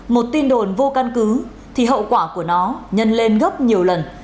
một tin đồn vô căn cứ thì hậu quả của nó nhân lên gấp nhiều lần